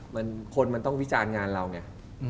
มันคนมันต้องวิจารณ์งานเราไง